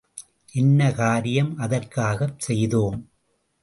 என்ன காரியம் அதற்காகச் செய்தோம்?